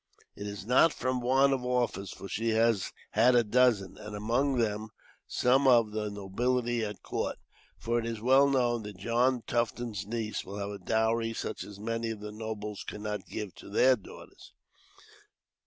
"It is not from want of offers, for she has had a dozen, and among them some of the nobility at court; for it is well known that John Tufton's niece will have a dowry such as many of the nobles could not give, to their daughters."